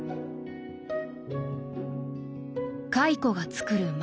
蚕が作る繭。